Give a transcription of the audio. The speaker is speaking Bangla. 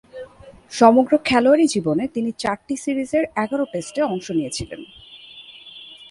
সমগ্র খেলোয়াড়ী জীবনে তিনি চারটি সিরিজের এগারো টেস্টে অংশ নিয়েছিলেন।